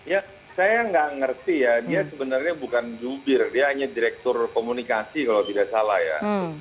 ya saya nggak ngerti ya dia sebenarnya bukan jubir dia hanya direktur komunikasi kalau tidak salah ya